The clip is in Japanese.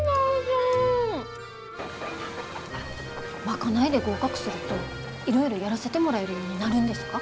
賄いで合格するといろいろやらせてもらえるようになるんですか？